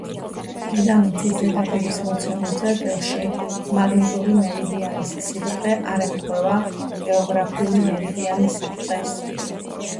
დედამიწის ზედაპირის მოცემულ წერტილში მაგნიტური მერიდიანის სიბრტყე არ ემთხვევა გეოგრაფიული მერიდიანის სიბრტყეს.